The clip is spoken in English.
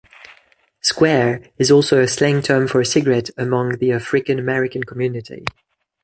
'Square' is also a slang term for a cigarette among the African-American community.